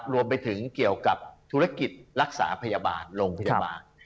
รวมไปถึงเกี่ยวกับธุรกิจรักษาพยาบาลโรงพยาบาล